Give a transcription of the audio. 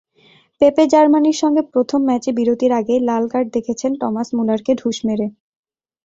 পেপেজার্মানির সঙ্গে প্রথম ম্যাচে বিরতির আগেই লাল কার্ড দেখেছেন টমাস মুলারকে ঢুস মেরে।